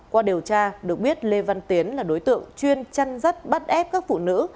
qua điều tra được biết lê văn tiến là đối tượng chuyên chăn rắt bắt ép các phụ nữ